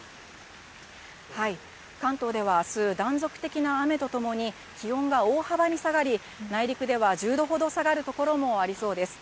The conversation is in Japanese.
関東ではあす、断続的な雨とともに、気温が大幅に下がり、内陸では１０度ほど下がる所もありそうです。